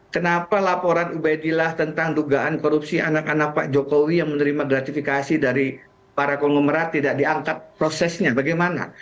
kenapa laporan ubaidillah tentang dugaan korupsi anak anak pak jokowi yang menerima gratifikasi dari para konglomerat tidak diangkat prosesnya bagaimana